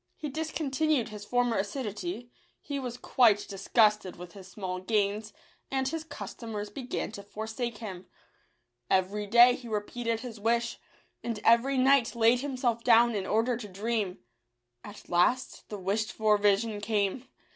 He discontinued his former assi duity ; he was quite disgusted with his small gains, and his customers began to forsake him. Every day he repeated his wish, and every night laid himself down in order to dream. At last the wished for vision came.